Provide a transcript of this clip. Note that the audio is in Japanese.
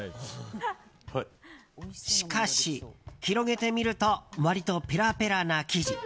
しかし、広げてみると割とペラペラな生地。